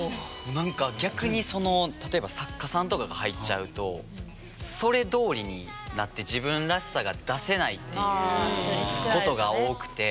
何か逆にその例えば作家さんとかが入っちゃうとそれどおりになって自分らしさが出せないっていうことが多くて。